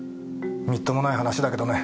みっともない話だけどね